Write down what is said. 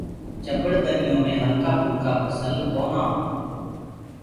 چٻڙ ڀنيو مي هلڪآ گلڪآ ڦسل ڪونآ هوئينٚ۔